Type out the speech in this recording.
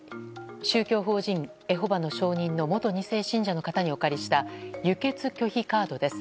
宗教法人エホバの証人の元２世信者の方にお借りした輸血拒否カードです。